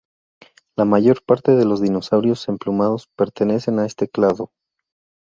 La mayor parte de los dinosaurios emplumados pertenecen a este clado.